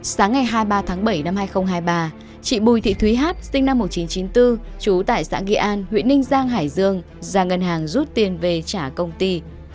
sáng ngày hai mươi ba tháng bảy năm hai nghìn hai mươi ba chị bùi thị thúy hát sinh năm một nghìn chín trăm chín mươi bốn trú tại xã nghị an huyện ninh giang hải dương ra ngân hàng rút tiền về trả công ty